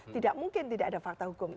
tidak mungkin tidak ada fakta hukum